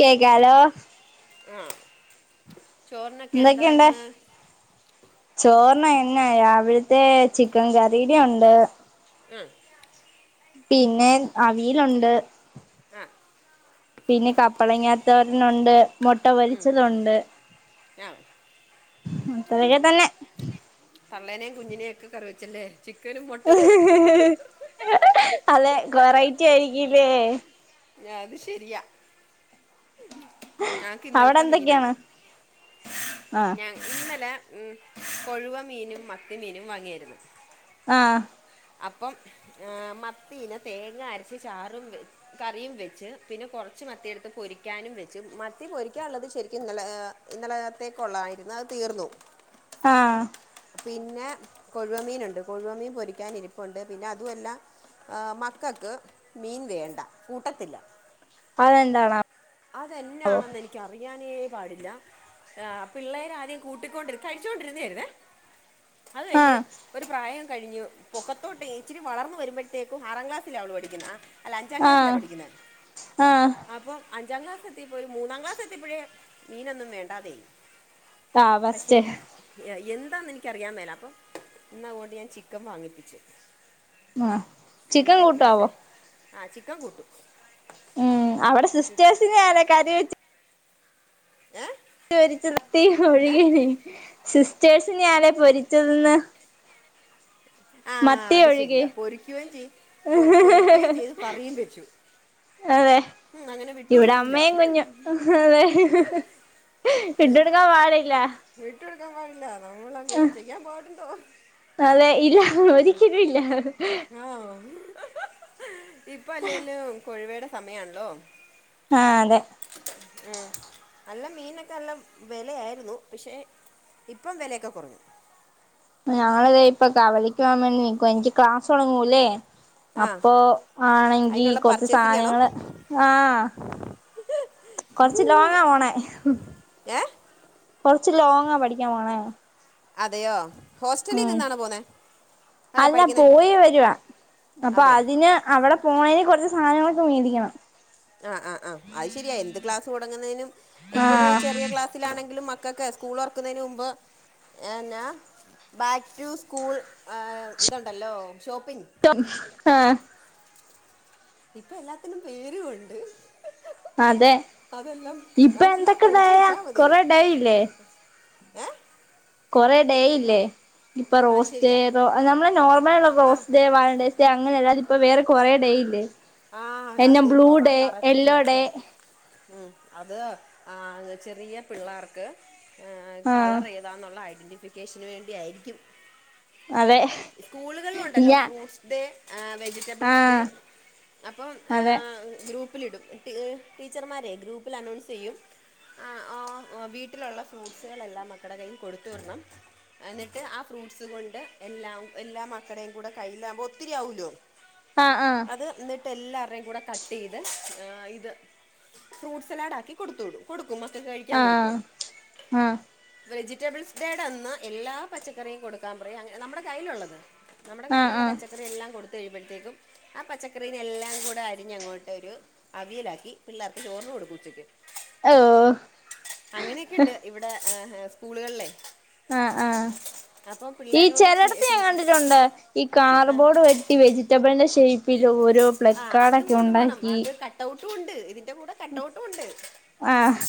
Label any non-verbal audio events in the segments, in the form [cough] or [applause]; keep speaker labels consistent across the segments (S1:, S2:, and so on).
S1: കേകാലോ?
S2: ആഹ്.
S1: ന്തക്കെണ്ട്? ചോർണ് ഇന്ന് രാവിൽത്തേ ചിക്കൻ കറീടെ ഉണ്ട്.
S2: ആഹ്
S1: പിന്നെ അവിയലുണ്ട്
S2: ആ
S1: പിന്നെ കപ്പളങ്ങാതോരനുണ്ട് മുട്ട പൊരിച്ചതുണ്ട്.
S2: ആഹ്
S1: അത്രയൊക്കെ തന്നെ
S2: തള്ളനേം കുഞ്ഞിനേം ഒക്കെ കറിവെച്ചല്ലേ ചിക്കനും മൊട്ട്
S1: അല്ലെ വേറയിറ്റിയായിരിക്കില്ലേ
S2: ആഹ് അത് ശരിയാ ഞങ്ങക്ക്
S1: അവിടെ
S2: ഇന്നലത്തെ മീനുണ്ട്
S1: എന്തൊക്കെയാണ് ആ
S2: ഞങ്ങ് ഇന്നലെ ഉം കൊഴുവ മീനും മത്തിമീനും വാങ്ങിയാരുന്നു
S1: ആഹ്
S2: അപ്പം ഏഹ് മത്തീനെ തേങ്ങ അരച്ച് ചാറും വെ കറിയും വെച്ച്, പിന്നെ കുറച്ച് മത്തിയെട്ത്ത് പൊരിക്കാനും വെച്ച് മത്തി പൊരിക്കാനുള്ളത് ശരിക്കും ന്നലെ ഇന്നലകത്തേക്കൊള്ളതായിരുന്നു അത് തീർന്നു
S1: ആഹ്
S2: പിന്നെ കൊഴുവ മീന്ണ്ട് കൊഴുവ മീൻ പൊരിക്കാനിരിപ്പുണ്ട് പിന്നെ അതുവല്ലാ ആ മക്കക്ക് മീൻ വേണ്ട കൂട്ടത്തില്ല.
S1: അതെന്താണാ
S2: അതെന്നാണെന്ന് എനിക്കറിയാനേ പാടില്ല. ആഹ് പിള്ളേര് ആദ്യം കൂട്ടിക്കൊണ്ടിരി കഴിച്ചോണ്ടിരുന്ന ആയിരുന്നേ അത്
S1: ആ
S2: കഴിഞ്ഞ് ഒരു പ്രായം കഴിഞ്ഞു പൊക്കത്തോട്ട് ഇച്ചിരി വളർന്നുവരുമ്പഴ്ത്തേക്കും ആറാം ക്ലാസ്സിലാ അവള് പഠിക്കുന്നാ അല്ല അഞ്ചാം
S1: ആ
S2: ക്ലാസ്സിലാ പഠിക്കുന്നെ
S1: ആ
S2: അപ്പൊ- അഞ്ചാം ക്ലാസ് എത്തിയപ്പോ ഒരു മൂന്നാം ക്ലാസ് എത്തിയപ്പഴേ മീനൊന്നും വേണ്ടാതേയ്.
S1: ആ
S2: പഷേ
S1: ഫസ്റ്റ്
S2: എ എന്താന്ന് എനിക്കറിയാൻ മേല അപ്പോ ഇന്ന് അതോണ്ട് ഞാൻ ചിക്കൻ വാങ്ങിപ്പിച്ചു.
S1: ആ ചിക്കൻ
S2: എന്തെങ്കിലും
S1: കൂട്ടാവോ
S2: ആവട്ടെ. ആ ചിക്കൻ കൂട്ടും.
S1: ഉം അവിടെ
S2: ചി-
S1: സിസ്റ്റേഴ്സിനെയാര കരി വെച്ച
S2: ഏഹ്
S1: പൊരിച്ചെത്തി ഒഴികെ [unintelligible] സിസ്റ്റേഴ്സിനീയരെ പൊരിച്ചതന്ന്
S2: ആ
S1: മത്തി
S2: അത്
S1: ഒഴികെ
S2: ശരിയാ പൊരിക്കുകയും ചെയ് പൊ- പൊരിക്കുകയും ചെയ്ത് കറിയും വെച്ചു
S1: അതെ
S2: ഉം, അങ്ങനെ
S1: ഇവടെ
S2: വിട്ടുകൊടുക്കൂല
S1: അമ്മേം
S2: ഉം,
S1: കുഞ്ഞും അതെ ഇട്ടെടുക്കാൻ പാടില്ല
S2: വിട്ട് കൊടുക്കാൻ പാടില്ല നമ്മളങ്ങനെ ചെയ്യാൻ പാടുണ്ടോ
S1: അതെ ഇല്ലാ ഒരിക്കെലുല്ലാ
S2: ആഹ് ഇപ്പ അല്ലേലും കൊഴുവേടെ സമയാണ്ല്ലോ
S1: ആഹ് അതെ
S2: ഏഹ് നല്ല മീനൊക്കെ നല്ല വെലയാരുന്നു പഷേ ഇപ്പോം വെലെക്കെ കൊറഞ്ഞു
S1: ഞങ്ങള് ദേ ഇപ്പൊ കവലക്ക് പോവാൻ വേണ്ടി നിക്കുവാ എനിക്ക് ക്ലാസ് തുടങ്ങൂല്ലേ
S2: ആ
S1: അപ്പൊ ആണെങ്കി
S2: അതിനുള്ള
S1: കുറച്ച്
S2: പർച്ചേസിംഗ് ആണോ
S1: സാധനങ്ങള് ആഹ് കൊറച്ച് ലോങ്ങാ പോണേ
S2: ഏ
S1: കുറച്ച് ലോങ്ങാ പഠിക്കാ പോണെ
S2: അതെയോ ഹോസ്റ്റലിൽ നിന്നാണോ പോണെ
S1: അല്ല പോയി വരുവാ അപ്പൊ
S2: അതെയോ
S1: അതിന് അവിടെ പോണന് കുറച്ച് സാധനങ്ങളൊക്കെ മേടിക്കണം
S2: ആ ആ ആ അത് ശരിയാ എന്ത് ക്ലാസ് തുടങ്ങുന്നതിനും ഇപ്പൊ ഒരു
S1: ആഹ്
S2: ചെറിയ ക്ലാസ് സ്സിലാണെങ്കിലും മക്കൊക്കെ സ്കൂൾ തൊറക്കുന്നതിന് മുമ്പ് എന്നാ ബാക്ക് ടു സ്കൂൾ ഇതുണ്ടല്ലോ ഷോപ്പിംഗ്
S1: ആഹ്
S2: ഇപ്പൊ എല്ലാത്തിനും പേരും ഒണ്ട്
S1: അതെ ഇപ്പൊ
S2: അതെല്ലാം
S1: എന്തൊക്കെ
S2: പഠിച്ചു
S1: ഡേയാ
S2: വെച്ചാ മതി
S1: കൊറെേ ഡേയില്ലേ
S2: ഏ
S1: കൊറേ ഡേ ഇല്ലേ ഇപ്പൊ
S2: അത്
S1: റോസ് ഡേ
S2: ശരിയാ
S1: നമ്മള് നോർമലള്ള
S2: ആഹ്
S1: റോസ് ഡേ വാലൻഡ ഡേ അങ്ങനെ അല്ലാതിപ്പൊ വേറെ കൊറെേ ഡേ ഇല്ലേ
S2: ആഹ്
S1: എന്നെ
S2: അത്
S1: ബ്ലൂ
S2: കൊറ
S1: ഡേ
S2: കറക്റ്റ്
S1: യെല്ലോ ഡേ
S2: ആട്ടോ ഉം അത് ആ ചെറിയ പിള്ളേർക്ക്
S1: ആഹ്
S2: കളർ ഏ താന്നുള്ള ഐഡൻ്റിഫിക്കേഷന് വേണ്ടിയായിരിക്കും
S1: അതെ
S2: സ്കൂളുകളിൽ ഉണ്ടല്ലോ
S1: ഞ
S2: ഫ്രൂട്ട്സ് ഡേ വെജിറ്റബിൾസ് ഡേ
S1: ആഹ്
S2: അപ്പം
S1: അതെ
S2: ഗ്രൂപ്പിലിടും ടീച്ചർമാരെ ഗ്രൂപ്പിൽ അനൗൺസ് ചെയ്യും ആ ആ വീട്ടിലുള്ള ഫ്രൂട്ട്സുകളെല്ലാം മക്കടെ കയ്യിൽ കൊടുത്തു വിടണം എന്നിട്ട് ആ ഫ്രൂട്ട്സ് കൊണ്ട് എല്ലാം എല്ലാ മക്കടേയും കൂടെ കയ്യിലാകുമ്പോൾ ഒത്തിരിയാവല്ലോ
S1: ആഹ് ആഹ്
S2: അത് എന്നി ട്ട് എല്ലാര്ടേം കൂടെ കട്ട് ചെയ്ത് ഇത് ഫ്രൂട്ട് സലാഡ് ആക്കി കൊടുത്തുടും കൊടുക്കും മക്കക്ക് കഴിക്കാൻ കൊടുക്കും
S1: ആഹ്
S2: വെജിറ്റബിൾസ് ഡേടന്ന് എല്ലാ പച്ചക്കറിയും കൊടുക്കാൻ പറയും അങ്ങ നമ്മുടെ കയ്യിലുള്ളത് നമ്മുടെ
S1: ആഹ് ആഹ്
S2: കയ്യിലുള്ള
S1: ആഹ്
S2: പച്ചക്കറി എല്ലാം കൊടുത്ത കഴിയുമ്പോഴത്തേക്കും ആ പച്ചക്കറി അപ്പ ഇതെല്ലാം കൂടി അരിഞ്ഞങ്ങോട്ട് ഒരു അവിയലാക്കി പിള്ളേർക്ക് ചോറിന് കൊടുക്കും ഉച്ചക്ക്
S1: ഓഹ്
S2: അങ്ങനെയൊക്കിണ്ട് ഇവിടെ സ്കൂളുകളില്ലേ
S1: ആഹ് ആഹ് ഈ ചെലടത്ത് ഞാൻ
S2: ടീച്ചർ
S1: കണ്ടിട്ടുണ്ട് ഈ കാർ
S2: ആ
S1: ബോർഡ് വെ ട്ടി വെജിറ്റബിളിന്റെ ഷേപ്പിൽ ഓരോ
S2: ആ അതും
S1: പ്ലക്കാടൊക്കെ
S2: കൊണ്ടുപോകണം
S1: ഒണ്ടാക്കി
S2: അത് കട്ടൗട്ടും ഉണ്ട് ഇതിന്റെ കൂടെ കട്ടൗട്ടും ഉണ്ട്
S1: ആഹ്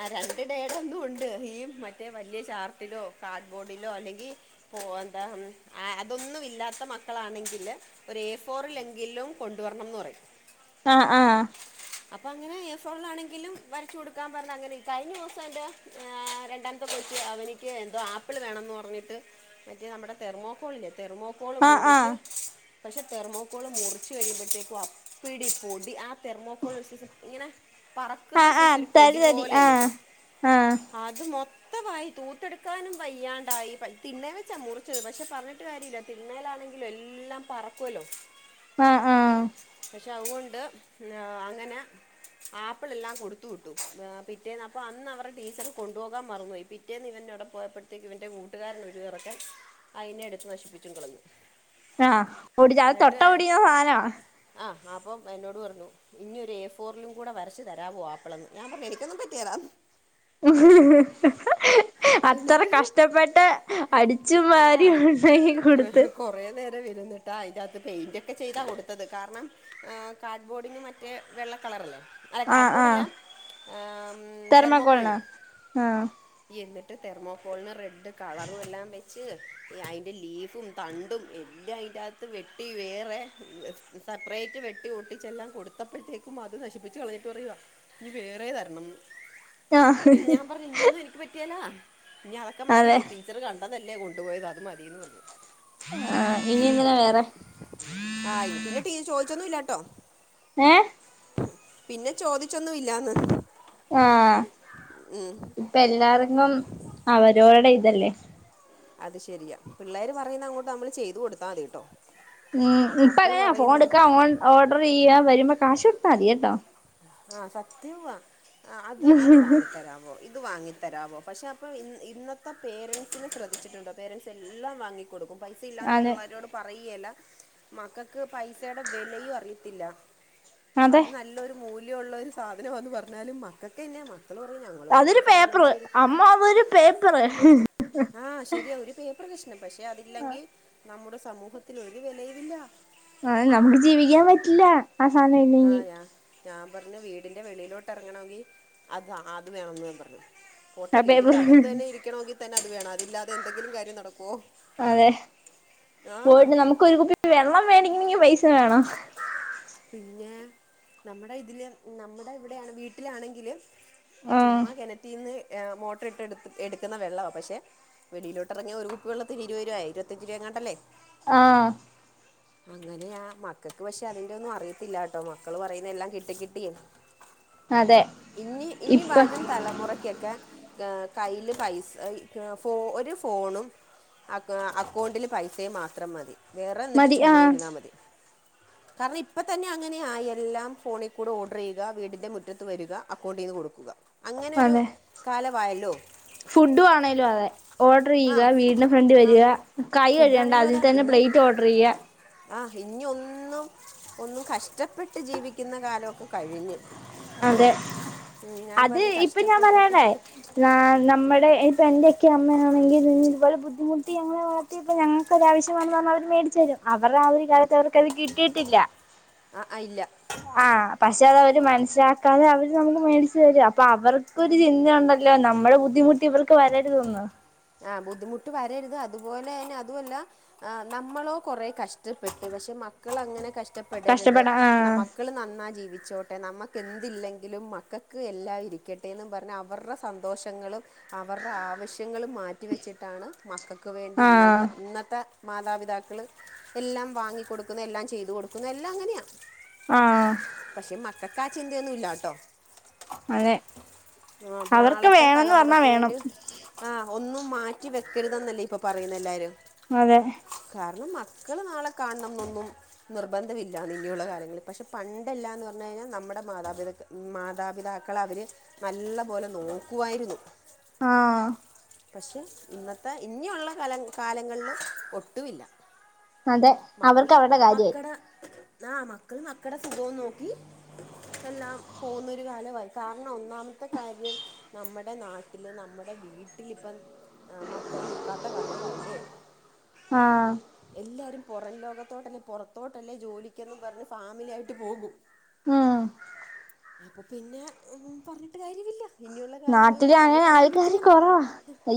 S2: ആ രണ്ട് ഡേടന്നും ഉണ്ട് ഈ മറ്റേ വലിയ ചാർട്ടിലോ കാർഡ് ബോർഡിലോ അല്ലെങ്കി പോ എന്താ അതൊന്നും ഇല്ലാത്ത മക്കളാണെങ്കില് ഒരു എ ഫോറിലെങ്കിലും കൊണ്ടുവരണംന്ന് പറയും
S1: ആഹ് ആഹ്
S2: അപ്പൊ അങ്ങനെ എഫോറിലാണെങ്കിലും വരച്ച് കൊടുക്കാം പർഞ്ഞ അങ്ങനെ. കഴിഞ്ഞ ഓസം എന്റെ ഏ രണ്ടാമ്ത്തെ കുട്ടി അവനിക്ക് എന്തോ ആപ്പിൾ വേണംന്ന് പറഞ്ഞിട്ട് മറ്റേ നമ്മടെ തെർമോക്കോൾല്ലെ. തെർമോക്കോള്
S1: ആഹ്
S2: മുറിച്ച്
S1: ആഹ്
S2: പക്ഷെ തെർമോക്കോള് മുറിച്ച് കഴിയുമ്പോഴത്തേക്കും അപ്പടി പൊടി. ആ തെർമോക്കോൾ സൈസ് ഇങ്ങനെ പറക്ക്ന്ന
S1: ആഹ്
S2: സൈസ്
S1: ആഹ്
S2: ഒരു
S1: തരി
S2: പൊടി
S1: തരി
S2: പോലെയല്ലേ?
S1: ആഹ് ആഹ്
S2: അത് മൊ ത്തമായി തൂത്തെടുക്കാനും വയ്യാണ്ടായി. പ തിണ്ണേ വെച്ചാ മുറിച്ചത്. പക്ഷെ പറഞ്ഞിട്ട് കാര്യല്ല. തിണ്ണേലാണെങ്കിലെ എല്ലാം പറക്കുവല്ലോ.
S1: ആഹ് ആഹ്
S2: പക്ഷെ അവ്വൊണ്ട് ന്നാ അങ്ങനെ ആപ്പിളെല്ലാം കൊടുത്തു വി ട്ടു. വേർ പിറ്റേന്ന് അപ്പൊ അന്ന് അവർ ടീച്ചർ കൊണ്ടുപോകാൻ മറന്നോയി. പിറ്റേന്ന് ഇവൻ അവ്ടെ പോയപ്പൊ ത്തേക്ക് ഇവൻ്റെ കൂട്ടുകാരൻ ഒരു ഇറക്കൻ അയിനെ എട്ത്ത് നശിപ്പിച്ചും കളഞ്ഞു.
S1: ആഹ്. ഒടിചാ അഅ് തൊട്ടാ ഓടിയ്ന്ന സാന.
S2: ആഹ്. അപ്പം എന്നോട് പറഞ്ഞു. ഇഞ്ഞി ഒരു എ ഫോറിലും കൂടെ വരച്ച് തരാവൊ ആപ്പളന്ന്. ഞാൻ പറഞ്ഞു എനിക്കൊന്നും പറ്റ് യേലാ.
S1: ഹ്ഹ്ഹ് ഏ ഏ. അത്ര
S2: എന്നിട്ട്
S1: കഷ്ടപ്പെട്ട് അടിച്ചും വാരി ഉണ്ടാക്കി കൊടുത്ത്
S2: ആഹ് കൊറേ നേരം ഇര്ന്നിട്ടാ അയിൻ്റകത്ത് പെയിൻ്റ് ഒക്കെ ചെയ്താ കൊടുത്തത്. കാരണം ആ കാഡ്ബോഡിനും മറ്റേ വെള്ള കളറല്ലേ? അതെ..
S1: ആഹ്
S2: കാഡ്ബോഡല്ല.
S1: ആഹ്
S2: ആ മ്
S1: തെർമക്കോളിനോ
S2: തെർമോക്കോള്ന്
S1: ആഹ്.
S2: എന്ന്ട്ട് തെർമോകോൾന് റെഡ് കളറും എല്ലാം വെച്ച്. അയിന്റെ ലീഫും തണ്ടും എല്ലാം ഈൻ്റാത്ത് വെട്ടി വേറെ സപ്റേറ്റ് വെട്ടി ഒട്ടിച്ചെല്ലാം കൊട് ത്തപ്പഴത്തേക്കും അത് നശിപ്പിച്ച് കളഞ്ഞിട്ട് പറയുവാ ഇനി വേറെ തരണംന്ന്
S1: ആഹ്
S2: ഞാൻ പറഞ്ഞു. ഇൻയൊന്നും എനിക്ക് പറ്റിയേലാ. ഇഞ്ഞി അതൊക്കെ മതി.
S1: അതെ
S2: തീ ച്ചർ കണ്ടതല്ലേ കൊണ്ടുപോയത്. അത് മതിന്ന് പറഞ്ഞു.
S1: ആഹ് ഇനി എന്തിനാ വേറെ
S2: ആഹ്. ഇ പിന്നെ ടീ ചോദിച്ചൊന്നും ഇല്ലാട്ടൊ.
S1: ഏ
S2: പിന്നെ ചോദിച്ചൊന്നും ഇല്ലാന്ന്.
S1: ആഹ്. ഇപ്പ എല്ലാർക്കും അവരോര്ടെ ഇതല്ലേ.
S2: അത് ശരിയ. പിള്ളേര് പറയുന്ന അങ്ങോട്ട് അമ്മള് ചെയ്ത് കൊടുത്താ മതിട്ടോ.
S1: ഉം. പ്പ അങ്ങനെയാ ഫോൺട്ക്കാ ഓൺ ഓഡർ ചെയ്യാ വരുമ്പൊ കാശ് കൊട്ത്താമതി എട്ടൊ.
S2: ആഹ്. സത്യവ. അ അത് അത് വാങ്ങിത്തരാവോ. ഇത് വാങ്ങി തരാവൊ. പക്ഷേ അപ്പൊ ഇന്ന ഇന്നത്തെ പേരൻസിനെ ശ്രദ്ധിച്ചിട്ടുണ്ടൊ? പേരൻ്റ്സ് എല്ലാം വാങ്ങി കൊടുക്കും. പൈസ ഇല്ലാന്ന്
S1: അതെ
S2: പിള്ളേരോട് പറയ്‌യേല്ല. മക്കക്ക് പൈസേടെ വെലയും അറിയത്തില്ല.
S1: അതെ
S2: അത് നല്ലൊരു ല്യുള്ളെരു സാധനവാന്ന് പർഞ്ഞാലും മക്കക്കെന്നെ മ ക്കള് പറയും ഞ്ഞങ്ങ
S1: അതൊരു പേപ്പറ്. അമ്മാ അതൊരു പേപ്പറ്
S2: ആഹ് ശരിയ. ഒരു പേപ്പറ് കഷ്ണം. പക്ഷെ അതില്ലെങ്കി നമ്മുടെ സമൂഹത്തിൽ ഒരു വെലയു വില്ല.
S1: ആന്നെ. നമ്ക്ക് ജീവിക്കാൻ പറ്റില്ല. ആസാനയി
S2: ആഹ്. യാ ഞാൻ പർഞ്ഞ് വീടിന്റെ വെളിയിലോട്ട് എർങ്ങണോങ്കി അത് അ അത് വേണംന്ന് പറഞ്ഞു. പോട്ടെ.
S1: ആ
S2: വീടിന്റെ
S1: പേപ്പറ്
S2: അകത്തെന്നെ ഇരിക്കണോങ്കി തന്നെ അത് വേണം. അതില്ലാതെ എന്തെങ്കിലും കാര്യം നടക്കൊ? ഹേഹ്
S1: ക്കൊരു കുപ്പി വെള്ളം വേടിക്കണെങ്കി പൈസ വേണ.
S2: പിന്നേ. നമ്മടെ ഇതില്. നമ്മടെ ഇവ്ടെയാണ് വീട്ടിലാണെങ്കില്
S1: ആഹ്
S2: ചുമ്മാ കെണറ്റീന്ന് എ മോട്ടർ ഇട്ട് എട്ത്ത് എട്ക്ക്ന്ന വെള്ളവാ. പക്ഷെ വെളിയിലോട്ടിറങ്ങിയ ഒരു കുപ്പി വെള്ളത്തിന് ഇരുപരൂപ, ഇരുപത്തഞ്ച് രൂപങ്ങാണ്ടല്ലേ?
S1: ആഹ്.
S2: അങ്ങനെയാ മക്കക്ക് പക്ഷെ അതിന്റെ ഒന്നും അറിയത്തില്ലാട്ടൊ. മക്കള് പറയുന്ന എല്ലാം കിട്ടി കിട്ടിയെ
S1: അതെ
S2: ഇനി ഇനി
S1: ഇപ്പ
S2: വരും തലമുറ ക്കൊക്കെ കയ്യില് പൈസ ഒരു ഫോണും അ അക്കൗണ്ടില് പൈസയും മാത്രം മതി വേറെ എന്നിട്ട്
S1: മതി
S2: ചുമ്മാ
S1: ആഹ്
S2: ഇരുന്നാൽ മതി കാരണം ഇപ്പ തന്നെ അങ്ങനെ ആയി എല്ലാം ഫോണിൽ കൂടെ ഓർഡർ ചെയ്യുക വീടിന്റെ മുറ്റത്ത് വരിക അക്കൗണ്ടിന്ന് കൊടുക്കുക അങ്ങനൊരു
S1: അതെ
S2: കാലവായല്ലോ
S1: ഫുഡും ആണേലും അതെ ഓർഡർ ചെയ്യുക വീടിന്റെ ഫ്രണ്ടി
S2: ആ
S1: വരിക കൈ കഴുകേണ്ട അതി തന്നെ പ്ലേറ്റ് ഓർഡർചെയ്യ
S2: ആഹ് ഇനി ഒന്നും ഒന്നും കഷ്ടപ്പെട്ട് ജീവിക്കുന്ന കാലമൊക്കെ കഴിഞ്ഞു
S1: അതെ
S2: ഉം, ഞാൻ
S1: അതെ
S2: പറഞ്ഞു
S1: ഇപ്പൊ ഞാൻ
S2: കഷ്ടപ്പെട്ടൊക്കെ
S1: പറയാണേ ന നമ്മുടെ ഇപ്പ എന്റെക്കെ അമ്മയാണെങ്കി ഇതുപോലെ ബുദ്ധിമുട്ടി ഞങ്ങളെ വളർത്തി ഇപ്പൊ ഞങ്ങൾക്കൊരാവശ്യമാന്ന് പറഞ്ഞാൽ അവര് മേടിച്ച് തരും അവരുടെ ആ ഒരു കാലത്ത് അവർക്കത് കിട്ടിയിട്ടില്ല
S2: ആ അ ഇല്ല
S1: ആഹ് പക്ഷെ അത് അവര് മനസ്സിലാക്കാതെ അവര് നമുക്ക് മേടിച്ചു തരും അപ്പൊ അവർ ഒരു ചിന്ത ഉണ്ടല്ലോ നമ്മുടെ ബുദ്ധിമുട്ട് ഇവർക്ക് വരരുതെന്ന്
S2: ആഹ് ബുദ്ധിമുട്ട് വരരുത് അതുപോലെ തന്നെ അതുവല്ല ആ നമ്മളോ കൊറെ കഷ്ടപ്പെട്ടു പക്ഷെ മക്കൾ അങ്ങനെ കഷ്ട പെടരുത്
S1: കഷ്ടപ്പെടാ
S2: എന്ന
S1: ആഹ്
S2: മക്കള് നന്നായി ജീവിച്ചോട് ട്ടെ നമുക്കെന്തില്ലെങ്കിലും മക്കൾക്ക് എല്ലാം ഇരിക്കട്ടെന്ന് പറഞ്ഞ് അവരുടെ സന്തോഷങ്ങളും അവരുടെ ആവശ്യങ്ങളും മാറ്റിവെച്ചിട്ടാണ് മക്കക്ക് വേണ്ടി
S1: ആഹ്
S2: ഇന്നൽത്ത ഇന്നത്ത മാതാപിതാക്കള് എല്ലാം വാങ്ങികൊടുക്കുന്ന എല്ലാം ചെയ്തു കൊടുക്കുന്ന എല്ലാം അങ്ങനെയാ
S1: ആഹ്
S2: പക്ഷെ മക്കൾക്ക് ആ ചിന്തയൊന്നും ഇല്ലട്ടോ
S1: അതെ
S2: ആ
S1: അവർക്ക്
S2: നാളത്തെ
S1: വേണന്ന് പറഞ്ഞാ
S2: തലമുറക്ക് വേണ്ടി
S1: വേണം
S2: ആഹ് ഒന്നും മാറ്റി വെക്കരുതെന്നല്ലേ ഇപ്പൊപറയുന്നെ എല്ലാരും
S1: അതെ
S2: കാരണം മക്കള് നാളെ കാണണം എന്നൊന്നും നിർബന്ധമില്ലാന്ന് ഇനിയുള്ള കാലങ്ങളിൽ പക്ഷെ പണ്ടല്ലാന്ന് പറഞ്ഞു കഴിഞ്ഞാൽ നമ്മുടെ മാതാപിതക്ക മാതാപിതാക്കളവര് നല്ല പോലെ നോക്കുവായിരുന്നു
S1: ആഹ്
S2: പക്ഷെ ഇന്നത്തെ ഇനിയുള്ള കലങ്ങ കാലങ്ങളില് ഒട്ടുവില്ല
S1: അതെ അവർക്ക്
S2: മക്കള്
S1: അവരുടെ കാര്യായി
S2: മക്കടെ ആഹ് മക്കള് മക്കട സുഖോം നോക്കി എല്ലാം പോകുന്നൊരു കാലവായി കാരണം ഒന്നാമത്തെ കാര്യം നമ്മുടെ നാട്ടില് നമ്മുടെ വീട്ടില് ഇപ്പം മക്കള് നിക്കാത്ത കാലവായില്ലേ
S1: ആഹ്
S2: എല്ലാരും പുറം ലോകത്തോട്ടല്ലേ പുറത്തോട്ടല്ലേ ജോലിക്കെന്നും പറഞ്ഞ് ഫാമിലി ആയിട്ട് പോകും
S1: ഉം
S2: അപ്പൊ പിന്നെ ഒന്നും പറഞ്ഞിട്ട് കാര്യമില്ല ഇനിയുള്ള കാലങ്ങളിൽ
S1: നാട്ടില്
S2: കണി
S1: അങ്ങനെ
S2: കാണാൻ
S1: ആൾക്കാര്
S2: കിട്ടുകേല
S1: കൊറവാ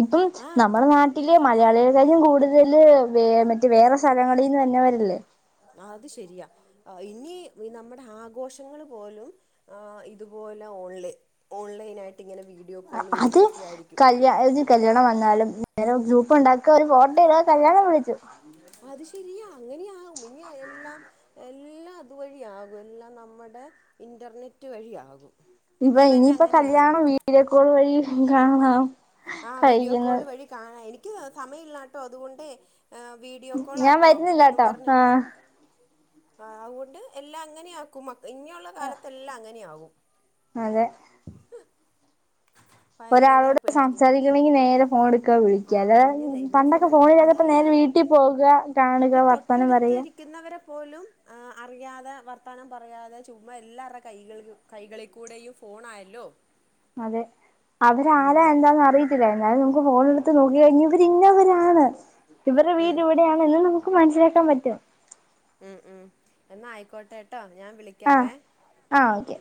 S1: ഇപ്പം
S2: ആ
S1: നമ്മട നാ ട്ടില് മലയാളികളെകാട്ടിലും കൂടുതല് മറ്റ് വേറെ സ്ഥലങ്ങളിന്ന് വര്ന്നവരല്ലേ
S2: അത് ശരിയാ ഇനി നമ്മുടെ ആഘോഷങ്ങള് പോലും ആഹ് ഇതുപോലെ ഓൺലൈ ഓൺലൈനായിട്ട് ഇങ്ങനെ വീഡിയോ കോള്
S1: അത്
S2: വിളിച്ചൊക്കെ ആയിരിക്കും
S1: കല്യാ കല്യാണം വന്നാലും നേരെ ഗ്രൂപ്പ് ഉണ്ടാക്കുക ഒരു ഫോട്ടോ ഇടുക കല്യാണം വിളിച്ചു
S2: അത് ശരിയാ അങ്ങനെയാവും ഇനി എല്ലാം എല്ലാം അതുവഴിയാകും എല്ലാം നമ്മുടെ ഇന്റെർനെറ്റ് വഴിയാകും
S1: ഇപ്പൊ
S2: ഇപ്പം തന്നെ
S1: ഇനിയിപ്പ
S2: അങ്ങനെയായി
S1: കല്യാണം വീഡിയോ കോൾ വഴി കാണാം
S2: ആ വീഡിയോ കോൾ
S1: കഴിക്കുന്നത്
S2: വഴി കാണാം എനിക്ക് സമയമില്ലാട്ടോ അതുകൊണ്ടേ ആഹ് വീഡിയോ
S1: ഞാൻ
S2: കോളാട്ടോ എന്നും
S1: വരുന്നില്ലാട്ടോ
S2: പറഞ്ഞ്
S1: ആഹ്
S2: ആ അതുകൊണ്ട് എല്ലാം അങ്ങനെയാക്കും മ ഇനിയുള്ള കാലത്തെല്ലാം അങ്ങനെയാകും
S1: അതെ
S2: [unintelligible]
S1: ക്ക്ണെങ്കി നേരെ ഫോൺ ഇട് ക്ക വിളിക്ക അല്ല
S2: ആഹ് ഇഞ്ഞ് ഇഞ്ഞ് സം
S1: പണ്ടൊക്കെ ഫോണിലതപ്പോ
S2: അതല്ല
S1: നേരെ വീട്ടിൽ പോകുക കാണുക വർത്തമാനം പറയുക
S2: ക്ക്ന്നവരെ പോലും ങ് അറിയാതെ വർത്താനം പറയാതെ ചുമ്മ എല്ലാവരുടെ കൈകളിലും കൈകളിൽ കൂടെയും ഫോണായല്ലോ
S1: അതെ അവര് ആരാ
S2: ഉം
S1: എന്താന്ന് അറിയി എന്നാലും നമുക്ക് ഫോണ് എടുത്ത് നോക്കി കഴിഞ്ഞ് ഇവര് ഇന്നവരാണ് ഇവര്ടെ
S2: ഉം
S1: വീട് ഇവി ടെയാണ് എല്ലും നമുക്ക് മനസ്സിലാക്കാൻ പറ്റും
S2: ഉം ഉം എന്നാ ആയിക്കോട്ടെ ട്ടോ ഞാൻ
S1: ആഹ്
S2: വിളിക്കാവേ
S1: ആഹ് ഓക്കെ